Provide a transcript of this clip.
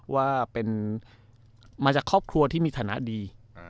ว่าเป็นมาจากครอบครัวที่มีฐานะดี